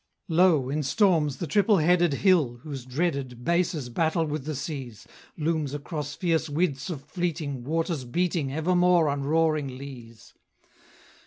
Lo! in storms, the triple headed Hill, whose dreaded Bases battle with the seas, Looms across fierce widths of fleeting Waters beating Evermore on roaring leas!